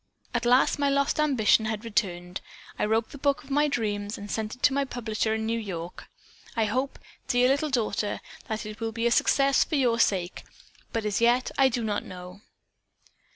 At last my lost ambition had returned. I wrote the book of my dreams and sent it to my publisher in New York. I hope, dear little daughter, that it will be a success for your sake, but as yet I do not know.'"